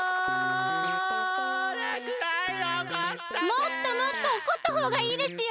もっともっとおこったほうがいいですよ！